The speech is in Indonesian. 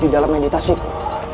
di dalam meditasiku